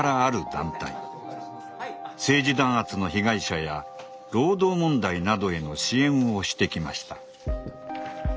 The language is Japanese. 政治弾圧の被害者や労働問題などへの支援をしてきました。